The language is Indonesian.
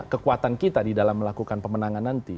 kekuatan kita di dalam melakukan pemenangan nanti